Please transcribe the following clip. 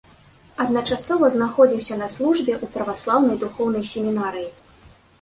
Адначасова знаходзіўся на службе ў праваслаўнай духоўнай семінарыі.